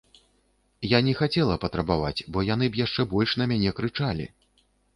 Я не хацела патрабаваць, бо яны б яшчэ больш на мяне крычалі.